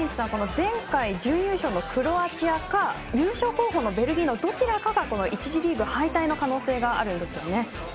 前回、準優勝のクロアチアか優勝候補のベルギーのどちらかが１次リーグ敗退の可能性があるんですよね。